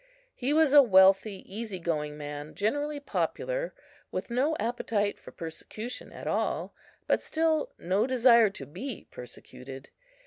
He was a wealthy, easy going man, generally popular, with no appetite for persecution at all, but still no desire to be persecuted.